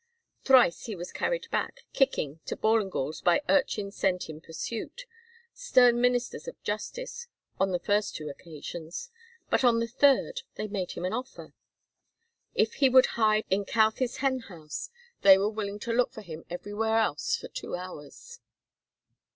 Thrice was he carried back, kicking, to Ballingall's by urchins sent in pursuit, stern ministers of justice on the first two occasions; but on the third they made him an offer: if he would hide in Couthie's hen house they were willing to look for him everywhere else for two hours.